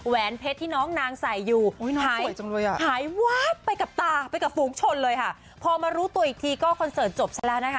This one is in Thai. แหวนเพชรที่น้องนางใส่อยู่หายไปกับตาไปกับฝูงชนเลยค่ะพอมารู้ตัวอีกทีก็คอนเสิร์ตจบแล้ว